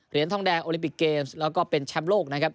ทองแดงโอลิปิกเกมส์แล้วก็เป็นแชมป์โลกนะครับ